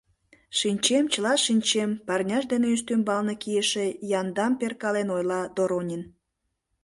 — Шничем, чыла шинчем, — парняж дене ӱстембалне кийше яндам перкален, ойла Доронин.